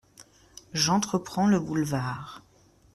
J’entreprends le boulevard…